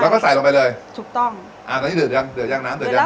แล้วก็ใส่ลงไปเลยถูกต้องอ่าตอนนี้เดือดยังเดือดยังน้ำเดือดยัง